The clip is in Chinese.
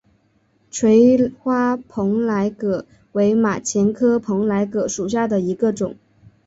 垂花蓬莱葛为马钱科蓬莱葛属下的一个种。